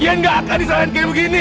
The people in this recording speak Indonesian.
iyan gak akan disalahin kayak begini